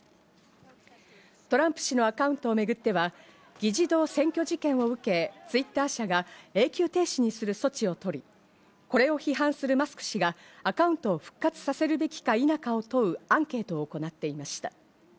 トランプ氏のアカウントをめぐっては、議事堂占拠事件を受け、Ｔｗｉｔｔｅｒ社が永久停止にする措置をとり、これを批判するマスク氏がアカウントを復活させるべきか否かを問う、アンケートを行っていました。